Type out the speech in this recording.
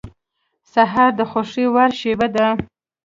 سهار د خوښې وړ شېبه ده.